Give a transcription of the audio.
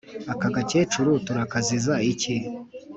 aka gakecuru turakaziza iki?